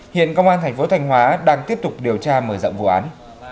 hiện công an thành phố thanh hóa đang tiếp tục điều tra mở rộng vụ án